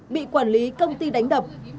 bị quản lý công ty đánh đập